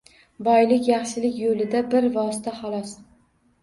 Boylik yaxshilik yo‘lida bir vosita, xalos.